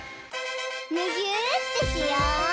むぎゅーってしよう！